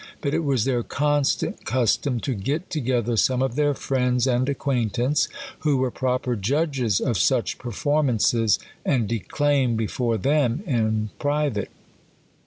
But it was their constant custom to get together some of their friends and acquaintance, who were proper judges of such performances, and declaim before them in private.